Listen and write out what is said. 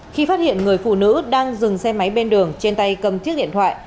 khi phát hiện người phụ nữ đang dừng xe máy bên đường trên tay cầm chiếc điện thoại